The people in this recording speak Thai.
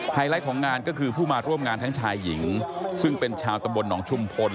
ไลท์ของงานก็คือผู้มาร่วมงานทั้งชายหญิงซึ่งเป็นชาวตำบลหนองชุมพล